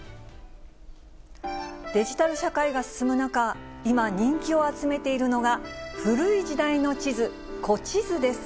デジタル社会が進む中、今、人気を集めているのが古い時代の地図、古地図です。